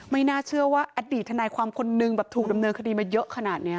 ไม่น่าเชื่อว่าอดีตทนายความคนนึงแบบถูกดำเนินคดีมาเยอะขนาดนี้